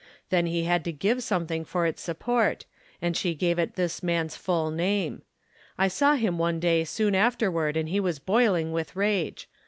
Then he had to give something for its support, and she gave it this man's full name. I saw him one day soon after ward and he was boiling with rage.